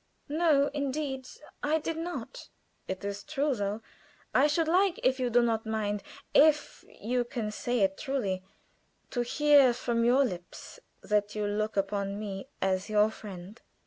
"No, indeed I did not." "It is true, though. I should like, if you do not mind if you can say it truly to hear from your lips that you look upon me as your friend."